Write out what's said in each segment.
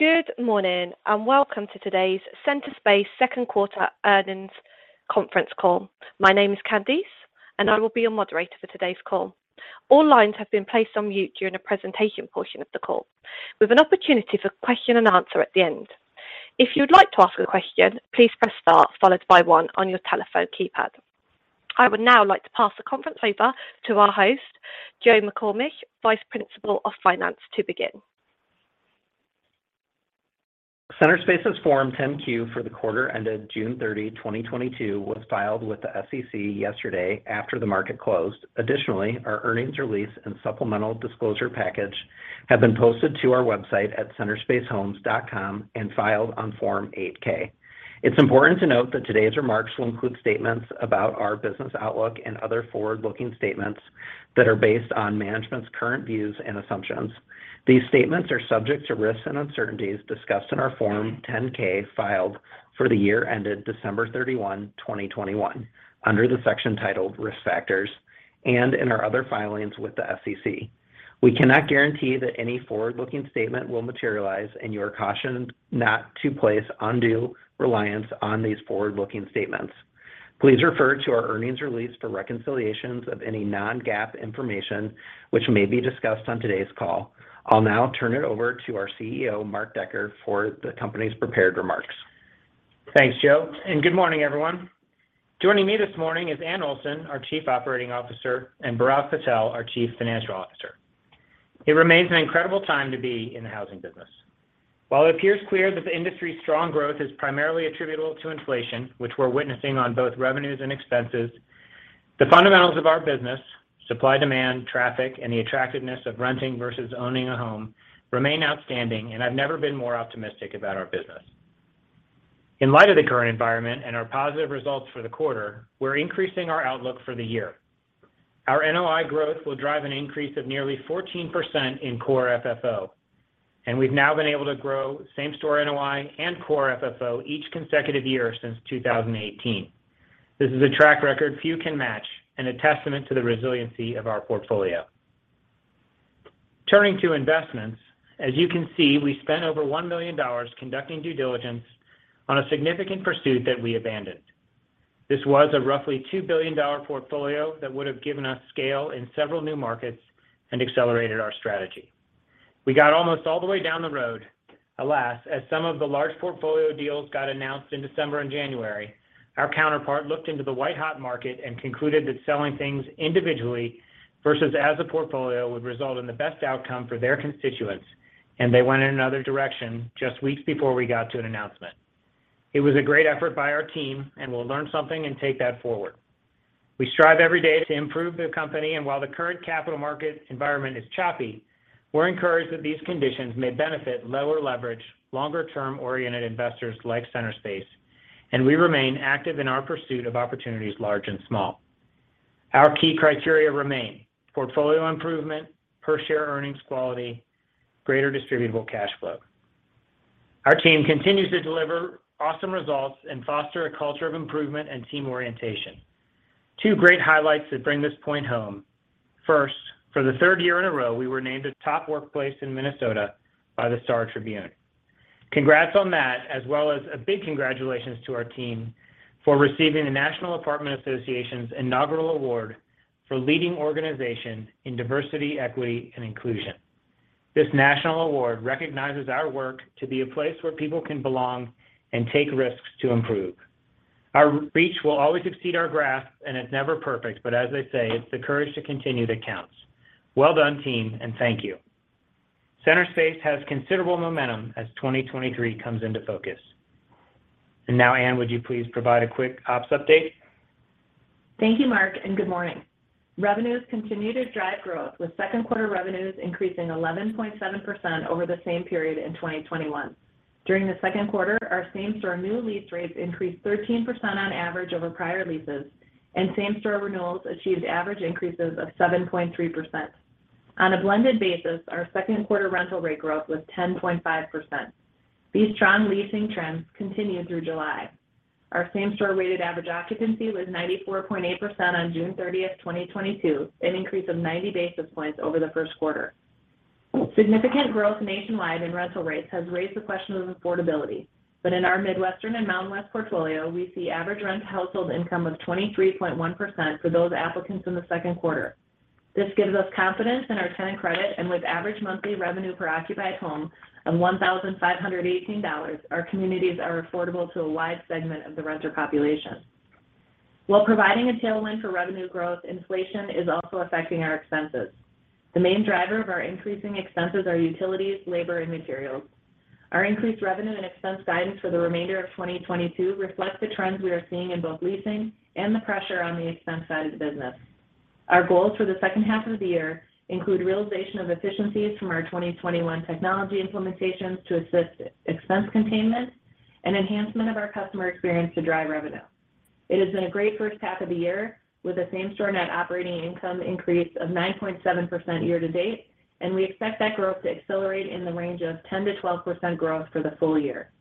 Good morning, and welcome to today's Centerspace Second Quarter Earnings Conference Call. My name is Candice, and I will be your moderator for today's call. All lines have been placed on mute during the presentation portion of the call. We have an opportunity for question and answer at the end. If you'd like to ask a question, please press star followed by one on your telephone keypad. I would now like to pass the conference over to our host, Joe McComish, Vice President of Finance to begin. Centerspace's Form 10-Q for the quarter ended June 30, 2022 was filed with the SEC yesterday after the market closed. Additionally, our earnings release and supplemental disclosure package have been posted to our website at centerspacehomes.com and filed on Form 8-K. It's important to note that today's remarks will include statements about our business outlook and other forward-looking statements that are based on management's current views and assumptions. These statements are subject to risks and uncertainties discussed in our Form 10-K filed for the year ended December 31, 2021, under the section titled Risk Factors, and in our other filings with the SEC. We cannot guarantee that any forward-looking statement will materialize, and you are cautioned not to place undue reliance on these forward-looking statements. Please refer to our earnings release for reconciliations of any non-GAAP information which may be discussed on today's call. I'll now turn it over to our Chief Executive Officer, Mark Decker, for the company's prepared remarks. Thanks, Joe, and good morning, everyone. Joining me this morning is Anne Olson, our Chief Operating Officer, and Bhairav Patel, our Chief Financial Officer. It remains an incredible time to be in the housing business. While it appears clear that the industry's strong growth is primarily attributable to inflation, which we're witnessing on both revenues and expenses, the fundamentals of our business, supply-demand, traffic, and the attractiveness of renting versus owning a home remain outstanding, and I've never been more optimistic about our business. In light of the current environment and our positive results for the quarter, we're increasing our outlook for the year. Our NOI growth will drive an increase of nearly 14% in core FFO, and we've now been able to grow same-store NOI and core FFO each consecutive year since 2018. This is a track record few can match and a testament to the resiliency of our portfolio. Turning to investments, as you can see, we spent over $1 million conducting due diligence on a significant pursuit that we abandoned. This was a roughly $2 billion portfolio that would have given us scale in several new markets and accelerated our strategy. We got almost all the way down the road. Alas, as some of the large portfolio deals got announced in December and January, our counterpart looked into the white-hot market and concluded that selling things individually versus as a portfolio would result in the best outcome for their constituents, and they went in another direction just weeks before we got to an announcement. It was a great effort by our team, and we'll learn something and take that forward. We strive every day to improve the company, and while the current capital market environment is choppy, we're encouraged that these conditions may benefit lower leverage, longer-term oriented investors like Centerspace, and we remain active in our pursuit of opportunities large and small. Our key criteria remain portfolio improvement, per share earnings quality, greater distributable cash flow. Our team continues to deliver awesome results and foster a culture of improvement and team orientation. Two great highlights that bring this point home. First, for the third year in a row, we were named a top workplace in Minnesota by the Star Tribune. Congrats on that, as well as a big congratulations to our team for receiving the National Apartment Association's Inaugural Award for Leading Organization in Diversity, Equity, and Inclusion. This national award recognizes our work to be a place where people can belong and take risks to improve. Our reach will always exceed our grasp, and it's never perfect, but as they say, it's the courage to continue that counts. Well done, team, and thank you. Centerspace has considerable momentum as 2023 comes into focus. Now, Anne, would you please provide a quick ops update? Thank you, Mark, and good morning. Revenues continue to drive growth, with second quarter revenues increasing 11.7% over the same period in 2021. During the second quarter, our same-store new lease rates increased 13% on average over prior leases, and same-store renewals achieved average increases of 7.3%. On a blended basis, our second quarter rental rate growth was 10.5%. These strong leasing trends continued through July. Our same-store weighted average occupancy was 94.8% on June 30, 2022, an increase of 90 basis points over the first quarter. Significant growth nationwide in rental rates has raised the question of affordability. In our Midwestern and Mountain West portfolio, we see average rent household income of 23.1% for those applicants in the second quarter. This gives us confidence in our tenant credit. With average monthly revenue per occupied home of $1,518, our communities are affordable to a wide segment of the renter population. While providing a tailwind for revenue growth, inflation is also affecting our expenses. The main driver of our increasing expenses are utilities, labor, and materials. Our increased revenue and expense guidance for the remainder of 2022 reflects the trends we are seeing in both leasing and the pressure on the expense side of the business. Our goals for the second half of the year include realization of efficiencies from our 2021 technology implementations to assist expense containment and enhancement of our customer experience to drive revenue. It has been a great first half of the year with the same store net operating income increase of 9.7% year to date, and we expect that growth to accelerate in the range of 10%-12% growth for the full year.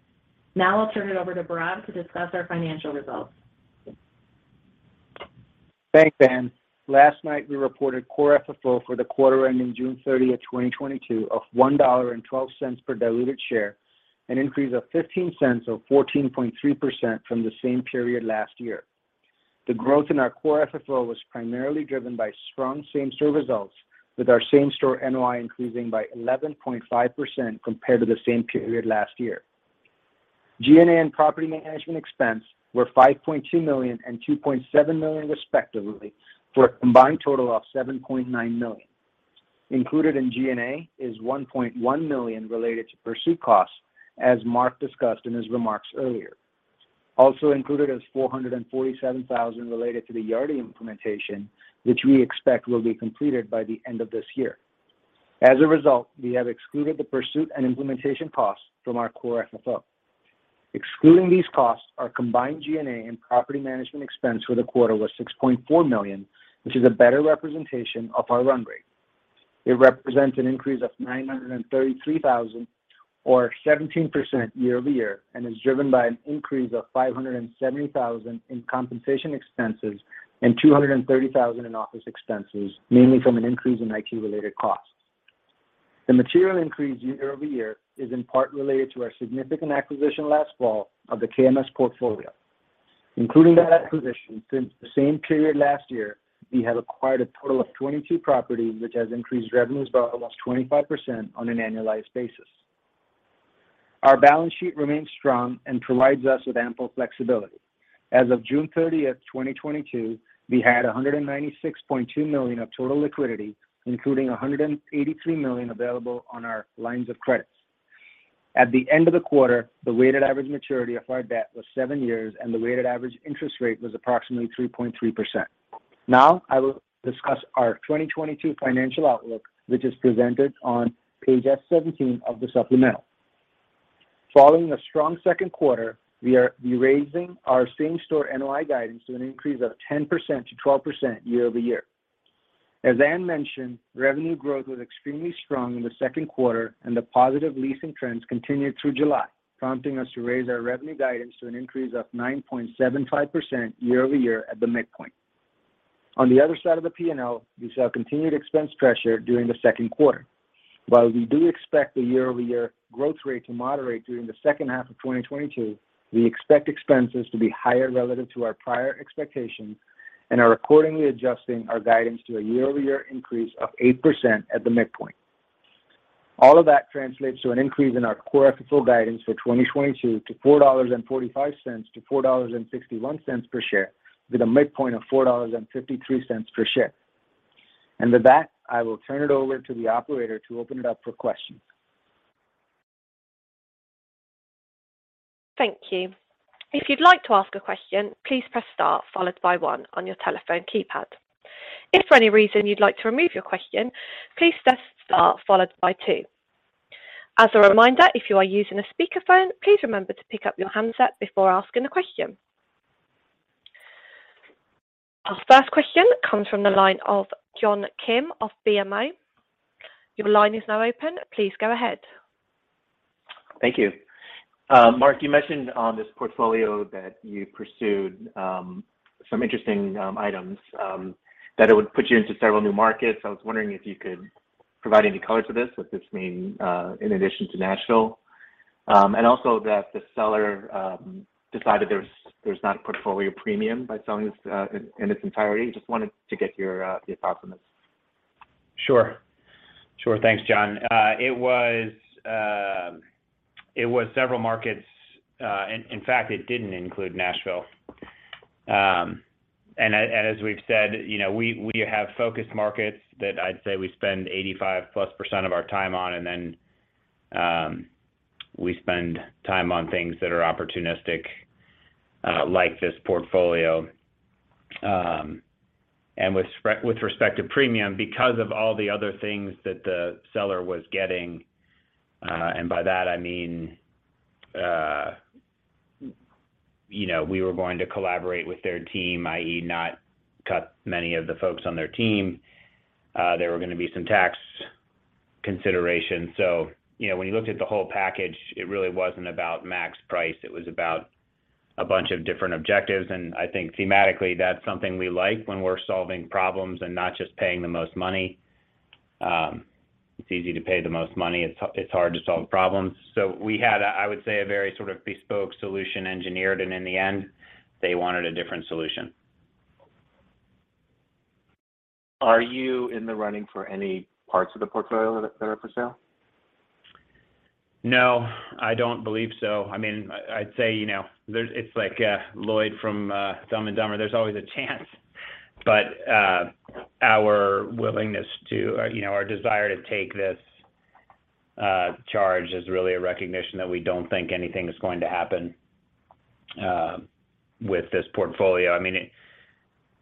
Now I'll turn it over to Bhairav to discuss our financial results. Thanks, Anne. Last night, we reported Core FFO for the quarter ending June 30, 2022 of $1.12 per diluted share, an increase of $0.15 or 14.2% from the same period last year. The growth in our Core FFO was primarily driven by strong same-store results, with our same-store NOI increasing by 11.5% compared to the same period last year. G&A and property management expense were $5.2 million and $2.7 million, respectively, for a combined total of $7.9 million. Included in G&A is $1.1 million related to pursuit costs, as Mark discussed in his remarks earlier. Also included is $447,000 related to the Yardi implementation, which we expect will be completed by the end of this year. As a result, we have excluded the pursuit and implementation costs from our Core FFO. Excluding these costs, our combined G&A and property management expense for the quarter was $6.4 million, which is a better representation of our run rate. It represents an increase of $933,000 or 17% year-over-year and is driven by an increase of $570,000 in compensation expenses and $230,000 in office expenses, mainly from an increase in IT-related costs. The material increase year-over-year is in part related to our significant acquisition last fall of the KMS portfolio. Including that acquisition, since the same period last year, we have acquired a total of 22 properties, which has increased revenues by almost 25% on an annualized basis. Our balance sheet remains strong and provides us with ample flexibility. As of June 30, 2022, we had $196.2 million of total liquidity, including $183 million available on our lines of credit. At the end of the quarter, the weighted average maturity of our debt was seven years, and the weighted average interest rate was approximately 3.3%. Now, I will discuss our 2022 financial outlook, which is presented on page S-17 of the supplemental. Following a strong second quarter, we are raising our same-store NOI guidance to an increase of 10%-12% year-over-year. As Anne mentioned, revenue growth was extremely strong in the second quarter, and the positive leasing trends continued through July, prompting us to raise our revenue guidance to an increase of 9.75% year-over-year at the midpoint. On the other side of the P&L, we saw continued expense pressure during the second quarter. While we do expect the year-over-year growth rate to moderate during the second half of 2022, we expect expenses to be higher relative to our prior expectations and are accordingly adjusting our guidance to a year-over-year increase of 8% at the midpoint. All of that translates to an increase in our Core FFO guidance for 2022 to $4.45-$4.51 per share with a midpoint of $4.53 per share. With that, I will turn it over to the operator to open it up for questions. Thank you. If you'd like to ask a question, please press star followed by one on your telephone keypad. If for any reason you'd like to remove your question, please press star followed by two. As a reminder, if you are using a speakerphone, please remember to pick up your handset before asking a question. Our first question comes from the line of John Kim of BMO. Your line is now open. Please go ahead. Thank you. Mark, you mentioned on this portfolio that you pursued some interesting items that it would put you into several new markets. I was wondering if you could provide any color to this, what this mean in addition to Nashville. The seller decided there's not a portfolio premium by selling this in its entirety. Just wanted to get your thoughts on this. Sure. Thanks, John. It was several markets. In fact, it didn't include Nashville. As we've said, you know, we have focused markets that I'd say we spend 85%+ of our time on, and then we spend time on things that are opportunistic, like this portfolio. With respect to premium, because of all the other things that the seller was getting, and by that I mean, you know, we were going to collaborate with their team, i.e., not cut many of the folks on their team. There were gonna be some tax considerations. You know, when you looked at the whole package, it really wasn't about max price. It was about a bunch of different objectives. I think thematically, that's something we like when we're solving problems and not just paying the most money. It's easy to pay the most money. It's hard to solve problems. We had, I would say, a very sort of bespoke solution engineered, and in the end, they wanted a different solution. Are you in the running for any parts of the portfolio that are for sale? No, I don't believe so. I mean, I'd say, you know, it's like Lloyd from Dumb and Dumber, there's always a chance. Our willingness to, you know, our desire to take this charge is really a recognition that we don't think anything is going to happen with this portfolio. I mean,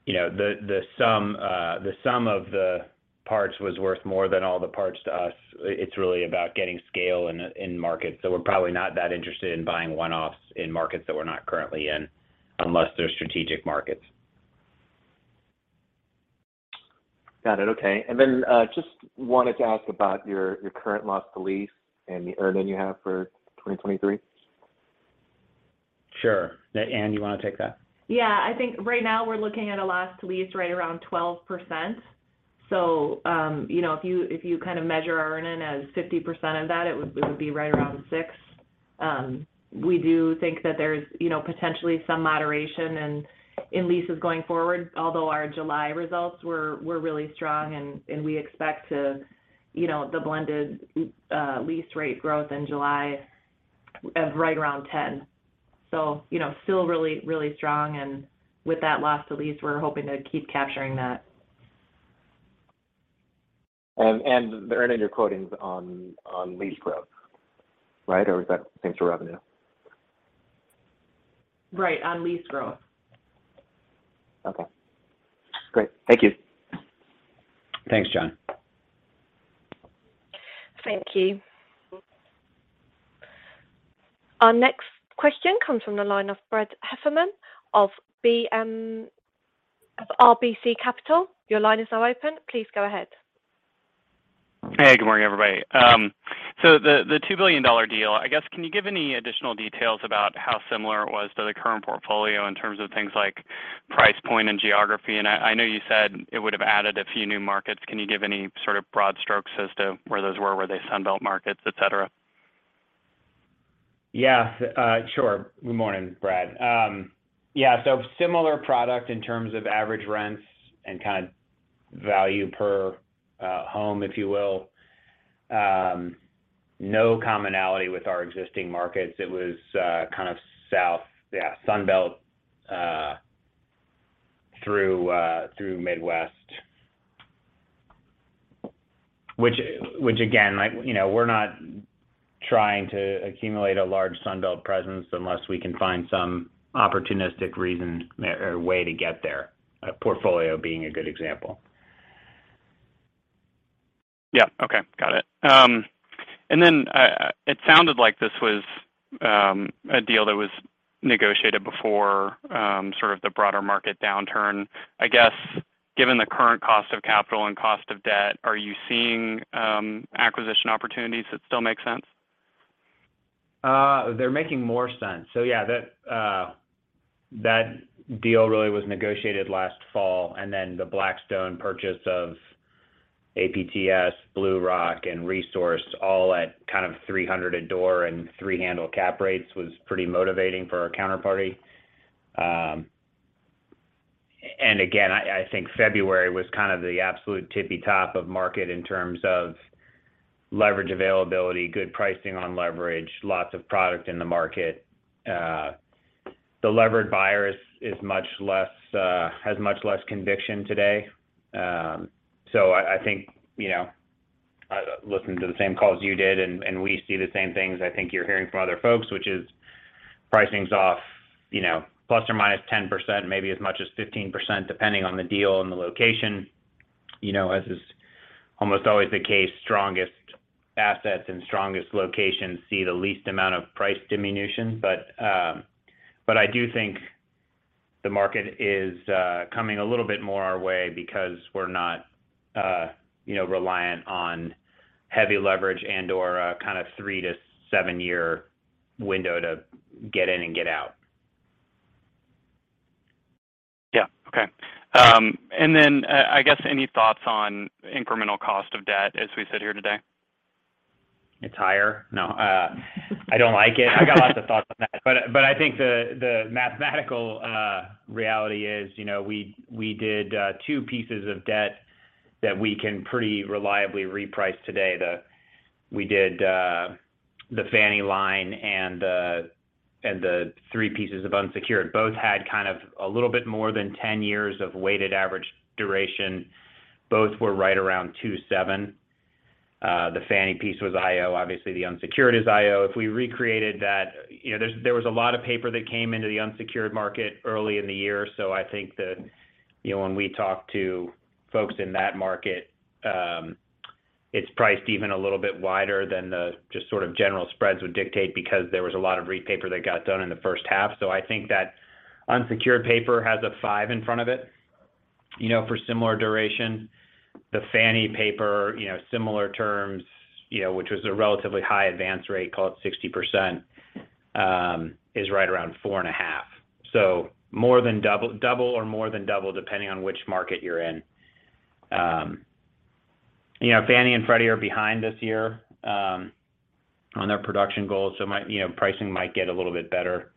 you know, the sum of the parts was worth more than all the parts to us. It's really about getting scale in markets. We're probably not that interested in buying one-offs in markets that we're not currently in unless they're strategic markets. Got it. Okay. Just wanted to ask about your current loss to lease and the earnings you have for 2023. Sure. Anne, you wanna take that? Yeah. I think right now we're looking at a loss to lease right around 12%. You know, if you kind of measure earn-in as 50% of that, it would be right around 6%. We do think that there's you know, potentially some moderation in leases going forward, although our July results were really strong and we expect, you know, the blended lease rate growth in July of right around 10%. You know, still really, really strong and with that loss to lease, we're hoping to keep capturing that. The earn-in you're quoting is on lease growth, right? Or is that same-store revenue? Right, on lease growth. Okay. Great. Thank you. Thanks, John. Thank you. Our next question comes from the line of Brad Heffern of RBC Capital Markets. Your line is now open. Please go ahead. Hey, good morning, everybody. The $2 billion deal, I guess, can you give any additional details about how similar it was to the current portfolio in terms of things like price point and geography? I know you said it would have added a few new markets. Can you give any sort of broad strokes as to where those were they Sun Belt markets, et cetera? Yeah, sure. Good morning, Brad. Yeah, so similar product in terms of average rents and kind of value per home, if you will. No commonality with our existing markets. It was kind of south. Yeah, Sun Belt through Midwest. Which again, like, you know, we're not trying to accumulate a large Sun Belt presence unless we can find some opportunistic reason or way to get there, a portfolio being a good example. Yeah. Okay. Got it. It sounded like this was a deal that was negotiated before sort of the broader market downturn. I guess, given the current cost of capital and cost of debt, are you seeing acquisition opportunities that still make sense? They're making more sense. Yeah, that deal really was negotiated last fall, and then the Blackstone purchase of APTS, Bluerock, and Resource all at kind of $300 a door and three handle cap rates was pretty motivating for our counterparty. I think February was kind of the absolute tippy top of market in terms of leverage availability, good pricing on leverage, lots of product in the market. The levered buyer is much less, has much less conviction today. I think, you know, listening to the same calls you did, and we see the same things I think you're hearing from other folks, which is pricing's off, you know, ±10%, maybe as much as 15%, depending on the deal and the location. You know, as is almost always the case, strongest assets and strongest locations see the least amount of price diminution. I do think the market is coming a little bit more our way because we're not, you know, reliant on heavy leverage and/or a kind of 3-7 year window to get in and get out. Yeah. Okay. I guess any thoughts on incremental cost of debt as we sit here today? It's higher. No, I don't like it. I got lots of thoughts on that, but I think the mathematical reality is, you know, we did two pieces of debt that we can pretty reliably reprice today. We did the Fannie line and the three pieces of unsecured. Both had kind of a little bit more than 10 years of weighted average duration. Both were right around 2.7. The Fannie piece was IO, obviously the unsecured is IO. If we recreated that, you know, there was a lot of paper that came into the unsecured market early in the year. I think that, you know, when we talk to folks in that market, it's priced even a little bit wider than the just sort of general spreads would dictate because there was a lot of repaper that got done in the first half. I think that unsecured paper has a five in front of it, you know, for similar duration. The Fannie paper, you know, similar terms, you know, which was a relatively high advance rate, call it 60%, is right around 4.5%. More than double. Double or more than double, depending on which market you're in. You know, Fannie and Freddie are behind this year on their production goals, so pricing might get a little bit better.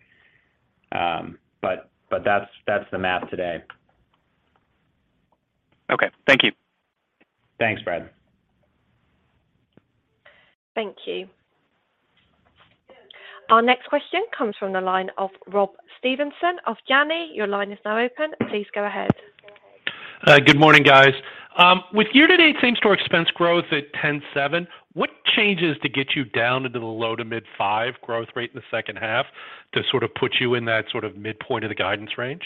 But that's the math today. Okay. Thank you. Thanks, Brad. Thank you. Our next question comes from the line of Rob Stevenson of Janney. Your line is now open. Please go ahead. Good morning, guys. With year-to-date same-store expense growth at 10.7%, what changes to get you down into the low- to mid-5% growth rate in the second half to sort of put you in that sort of midpoint of the guidance range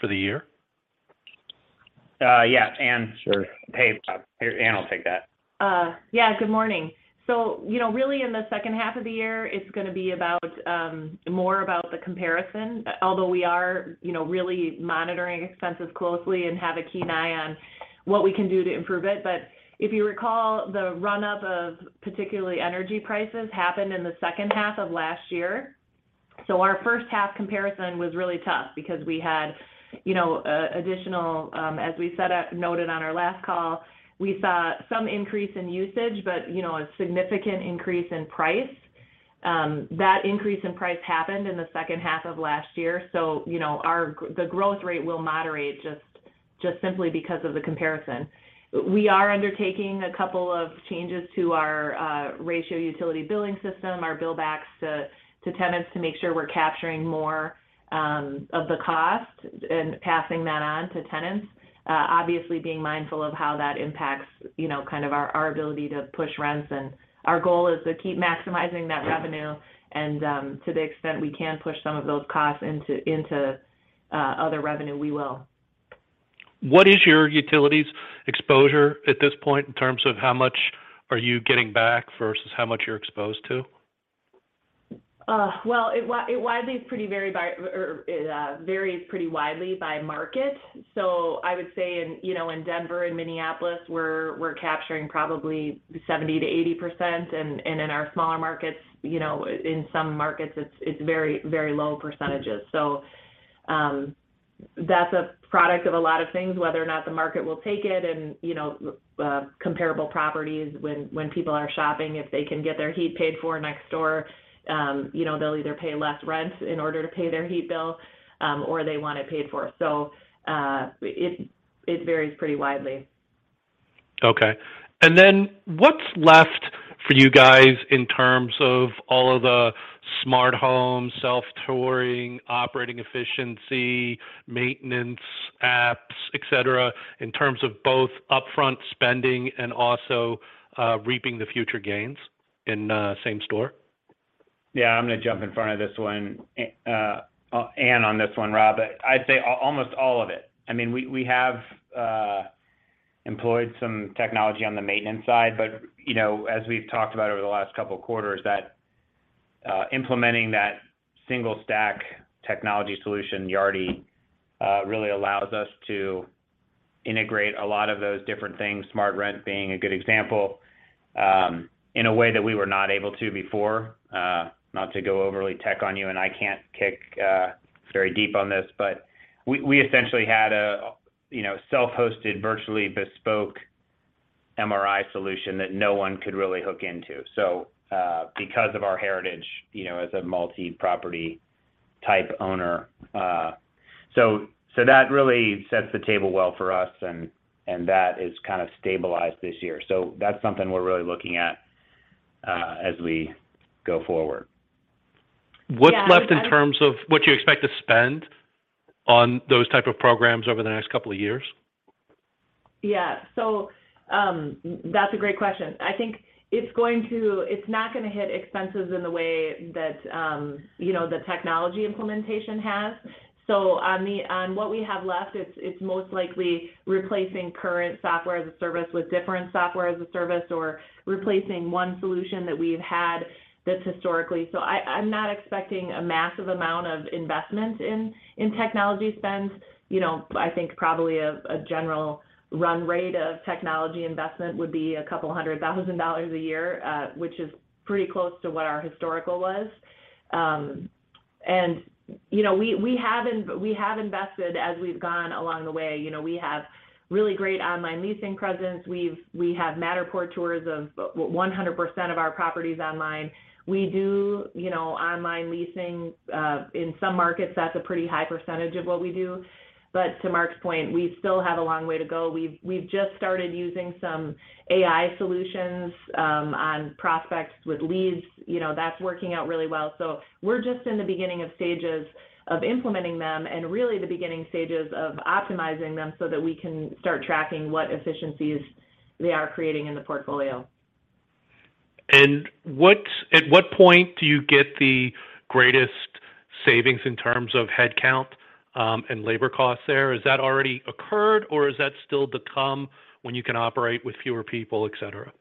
for the year? Yeah. Anne? Sure. Hey, Anne will take that. Yeah, good morning. You know, really in the second half of the year, it's gonna be about more about the comparison, although we are, you know, really monitoring expenses closely and have a keen eye on what we can do to improve it. If you recall, the run-up of particularly energy prices happened in the second half of last year. Our first half comparison was really tough because we had, you know, additional, as we noted on our last call, we saw some increase in usage, but, you know, a significant increase in price. That increase in price happened in the second half of last year. You know, our growth rate will moderate just simply because of the comparison. We are undertaking a couple of changes to our ratio utility billing system, our bill backs to tenants to make sure we're capturing more of the cost and passing that on to tenants, obviously being mindful of how that impacts, you know, kind of our ability to push rents. Our goal is to keep maximizing that revenue, and to the extent we can push some of those costs into other revenue, we will. What is your utilities exposure at this point in terms of how much are you getting back versus how much you're exposed to? Well, it varies pretty widely by market. I would say in Denver and Minneapolis, we're capturing probably 70%-80%. In our smaller markets, you know, in some markets, it's very low percentages. That's a product of a lot of things, whether or not the market will take it and, you know, comparable properties when people are shopping, if they can get their heat paid for next door, you know, they'll either pay less rent in order to pay their heat bill, or they want it paid for. It varies pretty widely. Okay. What's left for you guys in terms of all of the smart home, self-touring, operating efficiency, maintenance, apps, et cetera, in terms of both upfront spending and also, reaping the future gains in, same store? Yeah, I'm gonna jump in front of this one, and on this one, Rob. I'd say almost all of it. I mean, we have employed some technology on the maintenance side, but you know, as we've talked about over the last couple of quarters, that implementing that single-stack technology solution, Yardi, really allows us to integrate a lot of those different things, SmartRent being a good example, in a way that we were not able to before. Not to go overly tech on you, and I can't dive very deep on this, but we essentially had, you know, a self-hosted, virtually bespoke MRI solution that no one could really hook into, so because of our heritage, you know, as a multi-property type owner. That really sets the table well for us, and that is kind of stabilized this year. That's something we're really looking at, as we go forward. Yeah. What's left in terms of what you expect to spend on those type of programs over the next couple of years? Yeah. That's a great question. I think it's not gonna hit expenses in the way that, you know, the technology implementation has. On what we have left, it's most likely replacing current software as a service with different software as a service or replacing one solution that we've had that's historically. I'm not expecting a massive amount of investment in technology spend. You know, I think probably a general run rate of technology investment would be $200,000 a year, which is pretty close to what our historical was. You know, we have invested as we've gone along the way. You know, we have really great online leasing presence. We have Matterport tours of 100% of our properties online. We do, you know, online leasing. In some markets, that's a pretty high percentage of what we do. To Mark's point, we still have a long way to go. We've just started using some AI solutions on prospects with leads. You know, that's working out really well. We're just in the beginning of stages of implementing them and really the beginning stages of optimizing them so that we can start tracking what efficiencies they are creating in the portfolio. At what point do you get the greatest savings in terms of headcount, and labor costs there? Has that already occurred, or is that still to come when you can operate with fewer people, et cetera?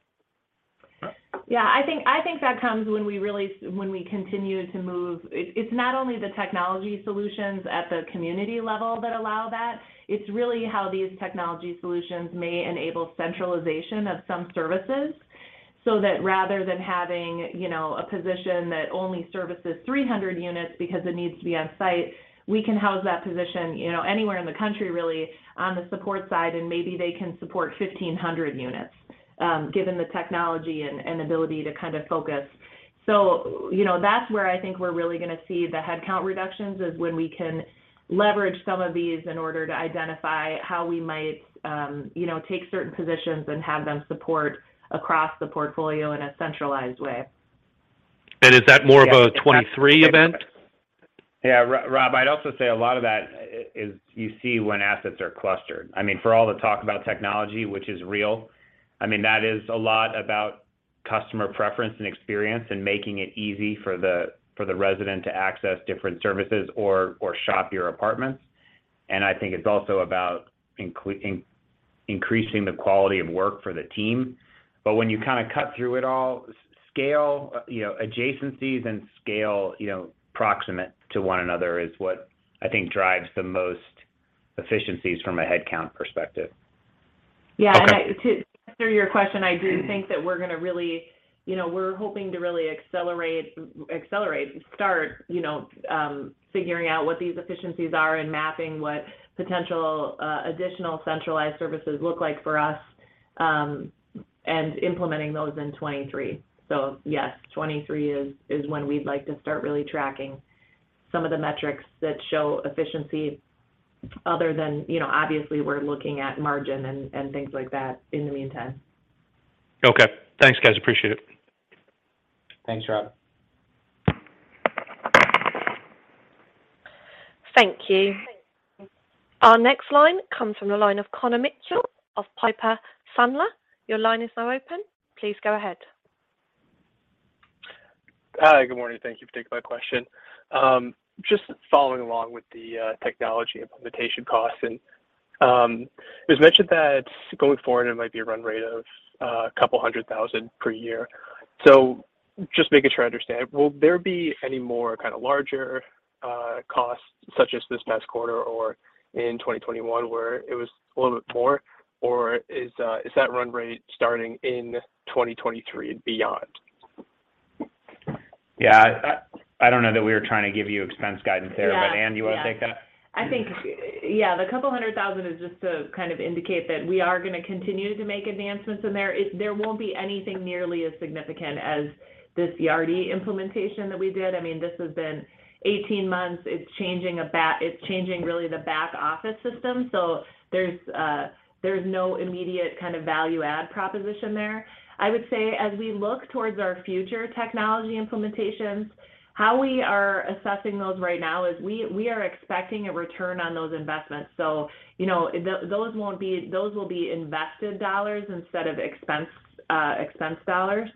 Yeah, I think that comes when we continue to move. It's not only the technology solutions at the community level that allow that, it's really how these technology solutions may enable centralization of some services, so that rather than having, you know, a position that only services 300 units because it needs to be on site, we can house that position, you know, anywhere in the country really on the support side, and maybe they can support 1,500 units, given the technology and ability to kind of focus. You know, that's where I think we're really gonna see the headcount reductions is when we can leverage some of these in order to identify how we might, you know, take certain positions and have them support across the portfolio in a centralized way. Is that more of a 2023 event? Yeah. Yeah, Rob, I'd also say a lot of that is you see when assets are clustered. I mean, for all the talk about technology, which is real, I mean, that is a lot about customer preference and experience and making it easy for the resident to access different services or shop your apartments. I think it's also about increasing the quality of work for the team. When you kind of cut through it all, scale, you know, adjacencies and scale, you know, proximate to one another is what I think drives the most efficiencies from a headcount perspective. Yeah. To answer your question, I do think that we're gonna really, you know, we're hoping to really accelerate start, you know, figuring out what these efficiencies are and mapping what potential additional centralized services look like for us, and implementing those in 2023. Yes, 2023 is when we'd like to start really tracking some of the metrics that show efficiency other than, you know, obviously we're looking at margin and things like that in the meantime. Okay. Thanks guys, appreciate it. Thanks, Rob. Thank you. Our next line comes from the line of Connor Mitchell of Piper Sandler. Your line is now open. Please go ahead. Hi, good morning. Thank you for taking my question. Just following along with the technology implementation costs, and it was mentioned that going forward, there might be a run rate of couple hundred thousands per year. Just making sure I understand, will there be any more kind of larger costs such as this past quarter or in 2021 where it was a little bit more, or is that run rate starting in 2023 and beyond? Yeah. I don't know that we were trying to give you expense guidance there. Yeah. Anne, you want to take that? I think, yeah, the couple hundred thousand is just to kind of indicate that we are gonna continue to make advancements in there. There won't be anything nearly as significant as this Yardi implementation that we did. I mean, this has been 18 months. It's changing really the back office system. There's no immediate kind of value add proposition there. I would say as we look towards our future technology implementations, how we are assessing those right now is we are expecting a return on those investments. You know, those will be invested dollars instead of expense dollars.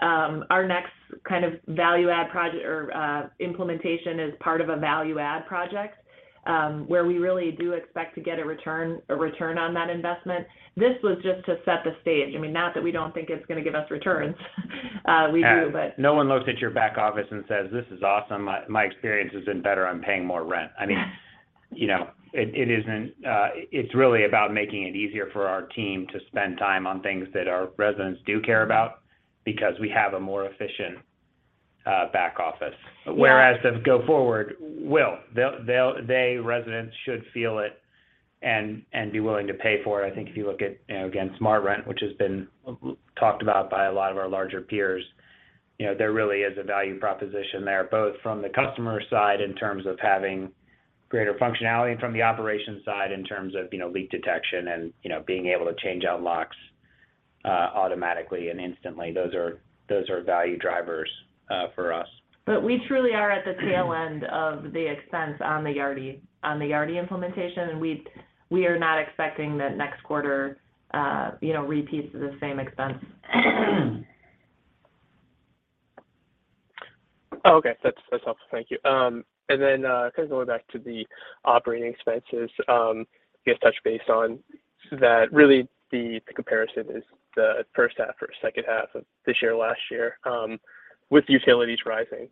Our next kind of value add project or implementation is part of a value add project, where we really do expect to get a return on that investment. This was just to set the stage. I mean, not that we don't think it's gonna give us returns, we do, but. Yeah. No one looks at your back office and says, "This is awesome. My experience has been better. I'm paying more rent." Yeah. I mean, you know, it isn't, it's really about making it easier for our team to spend time on things that our residents do care about because we have a more efficient back office. Yeah. As we go forward, we will. The residents should feel it and be willing to pay for it. I think if you look at, you know, again, SmartRent, which has been talked about by a lot of our larger peers, you know, there really is a value proposition there, both from the customer side in terms of having greater functionality and from the operations side in terms of, you know, leak detection and, you know, being able to change out locks, automatically and instantly. Those are value drivers for us. We truly are at the tail end of the expense on the Yardi implementation, and we are not expecting that next quarter, you know, repeats the same expense. Oh, okay. That's helpful. Thank you. Kind of going back to the operating expenses, you guys touched base on that really the comparison is the first half or second half of this year, last year, with utilities rising.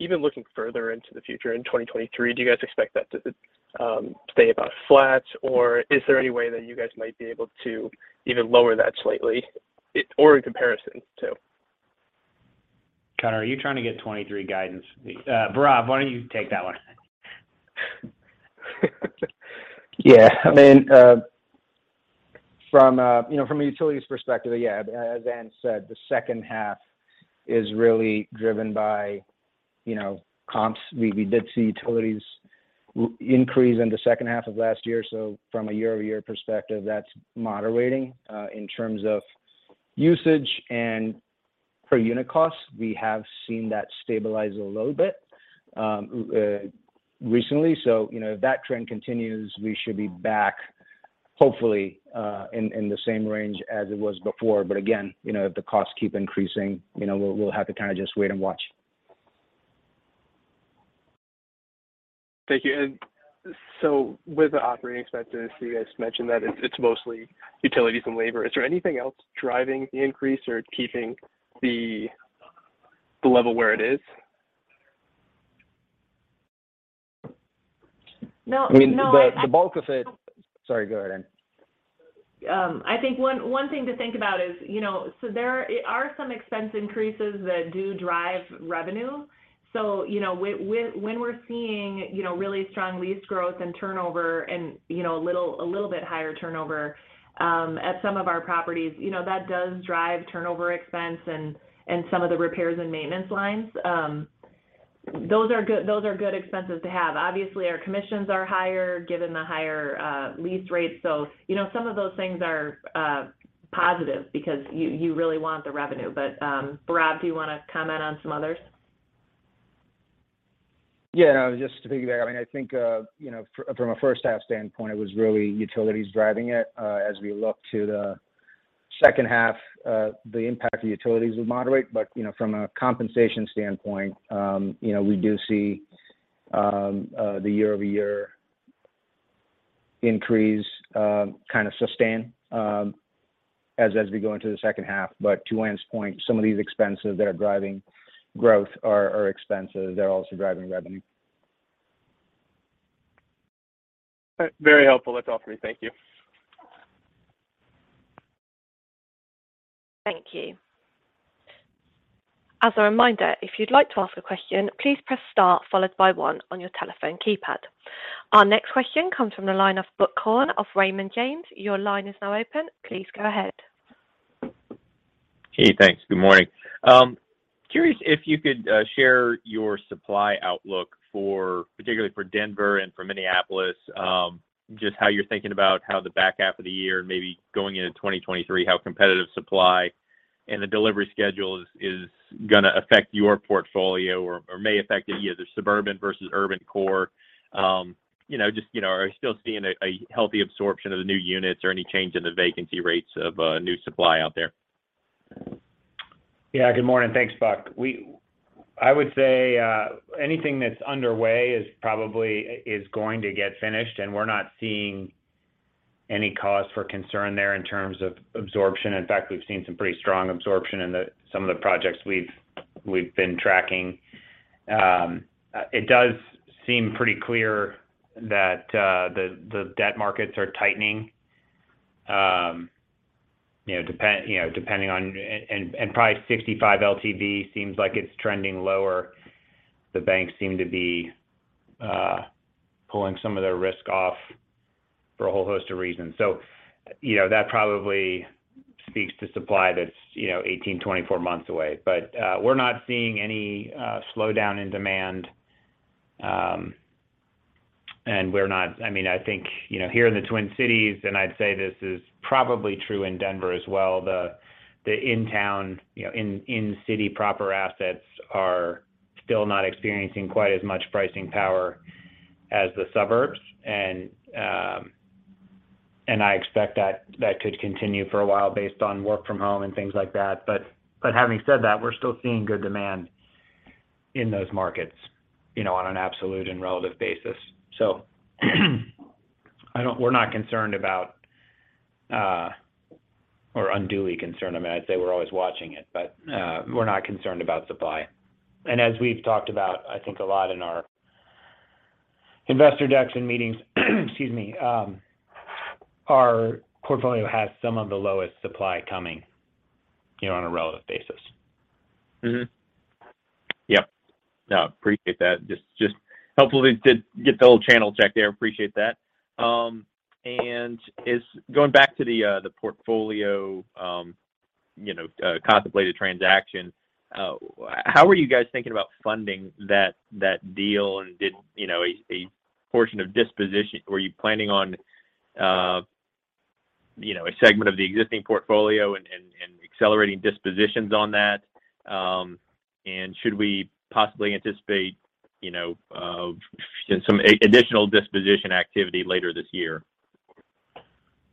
Even looking further into the future in 2023, do you guys expect that to stay about flat, or is there any way that you guys might be able to even lower that slightly or in comparison to? Connor, are you trying to get 2023 guidance? Bhairav, why don't you take that one? Yeah. I mean, from a utilities perspective, yeah, as Anne said, the second half is really driven by, you know, comps. We did see utilities increase in the second half of last year. From a year-over-year perspective, that's moderating. In terms of usage and per unit costs, we have seen that stabilize a little bit recently. You know, if that trend continues, we should be back hopefully in the same range as it was before. Again, you know, if the costs keep increasing, you know, we'll have to kind of just wait and watch. Thank you. With the operating expenses, you guys mentioned that it's mostly utilities and labor. Is there anything else driving the increase or keeping the level where it is? No. I mean, no. I mean, the bulk of it. Sorry, go ahead, Anne. I think one thing to think about is, you know, so there are some expense increases that do drive revenue. You know, when we're seeing, you know, really strong lease growth and turnover and, you know, a little bit higher turnover at some of our properties, you know, that does drive turnover expense and some of the repairs and maintenance lines. Those are good expenses to have. Obviously, our commissions are higher given the higher lease rates. You know, some of those things are positive because you really want the revenue. But, Bhairav, do you wanna comment on some others? Yeah, no, just to piggyback. I mean, I think, you know, from a first half standpoint, it was really utilities driving it. As we look to the second half, the impact of utilities will moderate. You know, from a compensation standpoint, you know, we do see the year-over-year increase kind of sustain as we go into the second half. To Anne's point, some of these expenses that are driving growth are expenses that are also driving revenue. Very helpful. That's all for me. Thank you. Thank you. As a reminder, if you'd like to ask a question, please press star followed by one on your telephone keypad. Our next question comes from the line of Buck Horne of Raymond James. Your line is now open. Please go ahead. Hey, thanks. Good morning. Curious if you could share your supply outlook for, particularly for Denver and for Minneapolis, just how you're thinking about how the back half of the year and maybe going into 2023, how competitive supply and the delivery schedule is gonna affect your portfolio or may affect it, either suburban versus urban core. You know, just, you know, are you still seeing a healthy absorption of the new units or any change in the vacancy rates of new supply out there? Yeah. Good morning. Thanks, Buck. I would say anything that's underway is probably going to get finished, and we're not seeing any cause for concern there in terms of absorption. In fact, we've seen some pretty strong absorption in some of the projects we've been tracking. It does seem pretty clear that the debt markets are tightening, you know, depending on. Probably 65 LTV seems like it's trending lower. The banks seem to be pulling some of their risk off for a whole host of reasons. You know, that probably speaks to supply that's you know, 18-24 months away. We're not seeing any slowdown in demand, and we're not. I mean, I think, you know, here in the Twin Cities, and I'd say this is probably true in Denver as well, the in town, you know, in city proper assets are still not experiencing quite as much pricing power as the suburbs. I expect that could continue for a while based on work from home and things like that. Having said that, we're still seeing good demand in those markets, you know, on an absolute and relative basis. We're not concerned about or unduly concerned about it. I'd say we're always watching it, but we're not concerned about supply. As we've talked about, I think, a lot in our investor decks and meetings, excuse me, our portfolio has some of the lowest supply coming, you know, on a relative basis. Mm-hmm. Yep. No, appreciate that. Just helpful to get the old channel check there. Appreciate that. Going back to the portfolio, you know, contemplated transaction, how are you guys thinking about funding that deal? Were you planning on you know a segment of the existing portfolio and accelerating dispositions on that? Should we possibly anticipate you know some additional disposition activity later this year?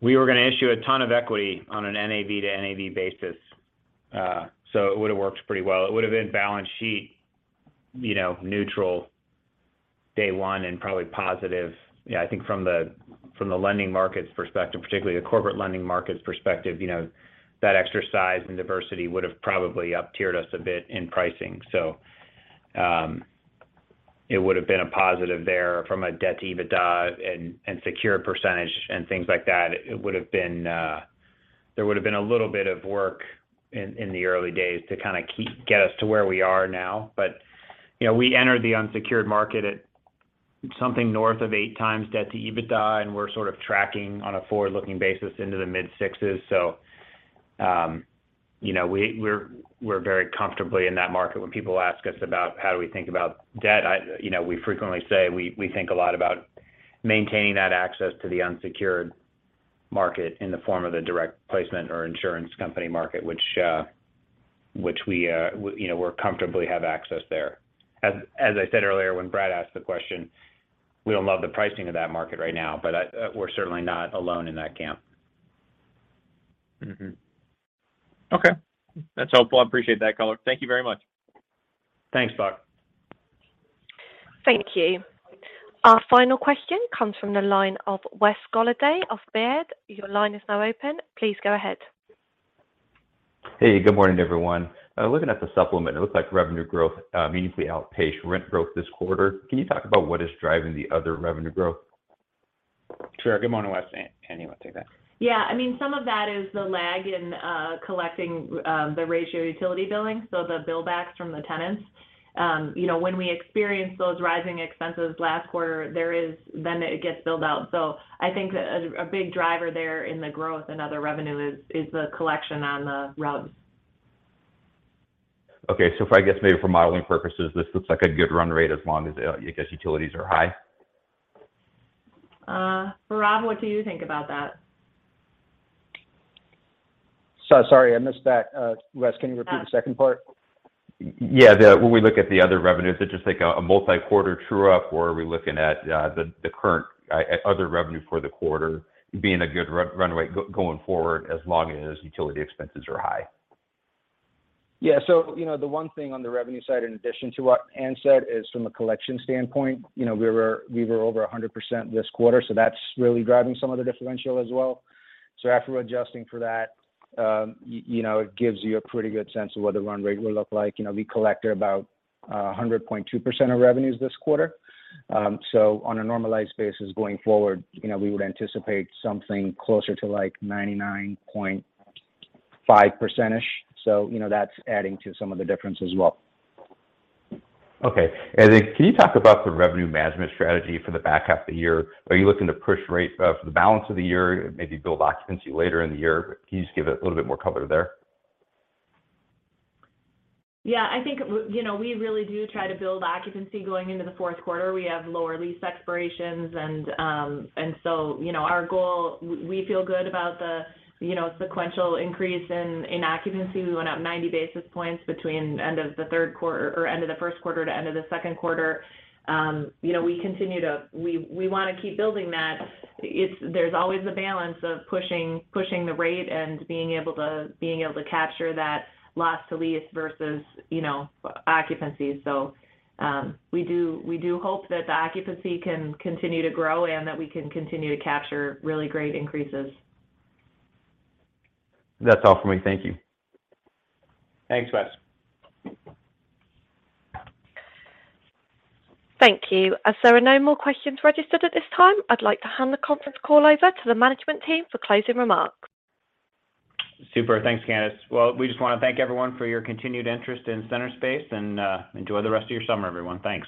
We were gonna issue a ton of equity on an NAV to NAV basis, so it would've worked pretty well. It would've been balance sheet, you know, neutral day one and probably positive. Yeah, I think from the lending markets perspective, particularly the corporate lending markets perspective, you know, that exercise in diversification would've probably uptiered us a bit in pricing. It would've been a positive there from a debt to EBITDA and secured percentage and things like that. It would've been. There would've been a little bit of work in the early days to kinda get us to where we are now. You know, we entered the unsecured market at something north of 8x debt to EBITDA, and we're sort of tracking on a forward-looking basis into the mid-sixes. You know, we're very comfortably in that market. When people ask us about how do we think about debt, you know, we frequently say we think a lot about maintaining that access to the unsecured market in the form of the direct placement or insurance company market, which we you know, we're comfortably have access there. As I said earlier, when Brad asked the question, we don't love the pricing of that market right now, but we're certainly not alone in that camp. Okay. That's helpful. I appreciate that color. Thank you very much. Thanks, Buck. Thank you. Our final question comes from the line of Wes Golladay of Baird. Your line is now open. Please go ahead. Hey, good morning, everyone. Looking at the supplement, it looks like revenue growth meaningfully outpaced rent growth this quarter. Can you talk about what is driving the other revenue growth? Sure. Good morning, Wes. Anne, you want to take that? Yeah. I mean, some of that is the lag in collecting the ratio utility billing, so the billbacks from the tenants. You know, when we experienced those rising expenses last quarter, then it gets billed out. I think a big driver there in the growth and other revenue is the collection on the RUBs. Okay. If I guess maybe for modeling purposes, this looks like a good run rate as long as, I guess utilities are high. Bhairav, what do you think about that? Sorry, I missed that. Wes, can you repeat the second part? Yeah. When we look at the other revenues, is it just like a multi-quarter true up, or are we looking at the current other revenue for the quarter being a good runway going forward as long as utility expenses are high? Yeah. You know, the one thing on the revenue side, in addition to what Anne said, is from a collection standpoint. You know, we were over 100% this quarter, so that's really driving some of the differential as well. After adjusting for that, you know, it gives you a pretty good sense of what the run rate will look like. You know, we collected about 100.2% of revenues this quarter. On a normalized basis going forward, you know, we would anticipate something closer to, like, 99.5%-ish. You know, that's adding to some of the difference as well. Okay. Can you talk about the revenue management strategy for the back half of the year? Are you looking to push rate for the balance of the year and maybe build occupancy later in the year? Can you just give a little bit more color there? Yeah, I think you know, we really do try to build occupancy going into the fourth quarter. We have lower lease expirations and so, you know, our goal, we feel good about the, you know, sequential increase in occupancy. We went up 90 basis points between end of the first quarter and end of the second quarter. We wanna keep building that. There's always a balance of pushing the rate and being able to capture that loss to lease versus, you know, occupancy. We do hope that the occupancy can continue to grow and that we can continue to capture really great increases. That's all for me. Thank you. Thanks, Wes. Thank you. As there are no more questions registered at this time, I'd like to hand the conference call over to the management team for closing remarks. Super. Thanks, Candice. Well, we just wanna thank everyone for your continued interest in Centerspace and enjoy the rest of your summer, everyone. Thanks.